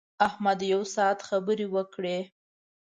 احمد یو ساعت خبرې وکړې.